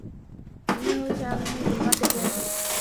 إنه يشعرني بالغثيان